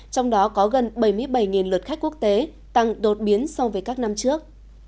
trong đó có gần bảy mươi bảy lượt khách quốc tế tăng đột biến so với các năm trước